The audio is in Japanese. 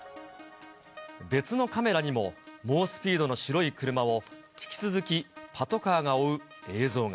別のカメラにも、猛スピードの白い車を引き続きパトカーが追う映像が。